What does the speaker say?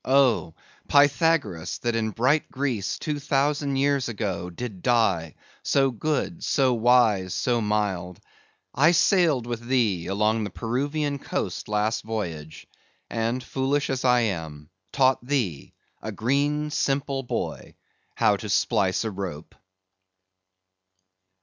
Oh! Pythagoras, that in bright Greece, two thousand years ago, did die, so good, so wise, so mild; I sailed with thee along the Peruvian coast last voyage—and, foolish as I am, taught thee, a green simple boy, how to splice a rope!